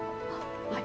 はい。